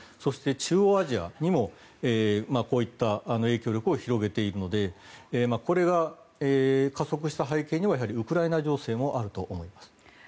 中央アジアにも影響力を広げているのでこれが加速した背景にはやはりウクライナ情勢があると思います。